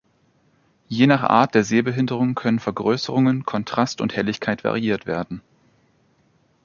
Je nach Art der Sehbehinderung können Vergrößerung, Kontrast und Helligkeit variiert werden.